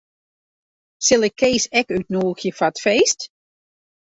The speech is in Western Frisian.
Sil ik Kees ek útnûgje foar it feest?